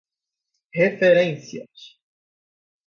referências